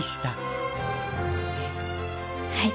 はい。